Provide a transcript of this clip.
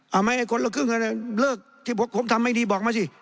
เอาไหมไอ้คนละครึ่งกันเลิกที่ผมทำไม่ดีบอกมาสิ